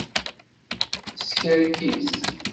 Teskerkis!